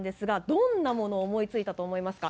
どんなものを思いついたと思いますか？